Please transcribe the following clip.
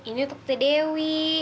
ini untuk t dewi